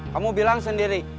kamu bilang sendiri